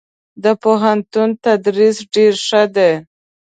دپوهنتون تدريس ډير ښه دی.